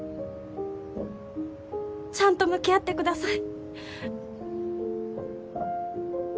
ちゃんと向き合ってください。